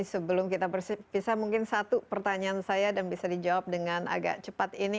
sebelum kita berpisah mungkin satu pertanyaan saya dan bisa dijawab dengan agak cepat ini